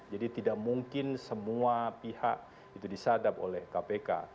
jadi tidak mungkin semua pihak itu disadap oleh kpk